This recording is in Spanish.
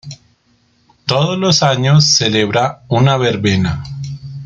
Todo los años celebra una verbena.